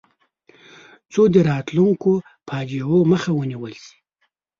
څو د راتلونکو فاجعو مخه ونیول شي.